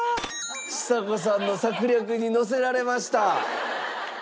ちさ子さんの策略にのせられました。